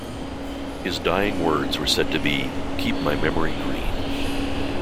His dying words were said to be, Keep my memory green.